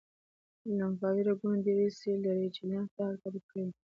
لمفاوي رګونه دریڅې لري چې لمف ته حرکت ورکوي.